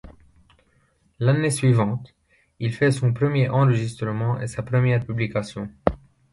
L'année suivante, il fait son premier enregistrement et sa première publication.